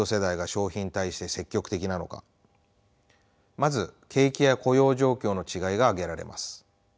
まず景気や雇用状況の違いが挙げられます。